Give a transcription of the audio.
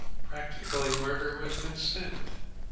Practically murder with consent.